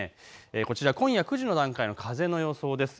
こちら今夜９時の段階の風の予想です。